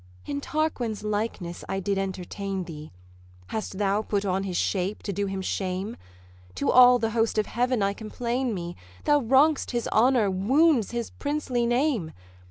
'In Tarquin's likeness I did entertain thee: Hast thou put on his shape to do him shame? To all the host of heaven I complain me, Thou wrong'st his honour, wound'st his princely name.